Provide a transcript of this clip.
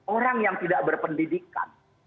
orang yang tidak berpendidikan